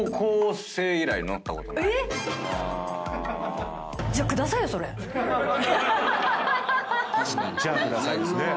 えっ⁉「じゃあください」ですね。